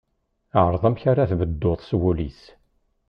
Ɛreḍ amek ara tbedduḍ s wullis.